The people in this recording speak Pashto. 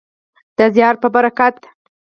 د زیار په برکت.